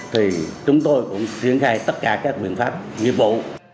thì chúng tôi cũng xuyên khai tất cả các nguyện pháp nhiệm vụ